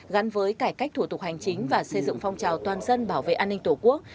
gắn với cải cách thủ tục hành chính và xây dựng phong trào toàn dân bảo vệ an ninh tổ quốc